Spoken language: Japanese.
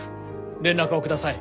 連絡をください。